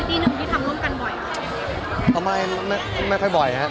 อีกยอมเหล่าบอกว่าช่วงนี้พี่เวียส่อนถ่ายรูปด้วย